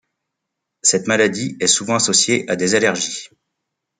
Cette maladie est souvent associée à des allergies.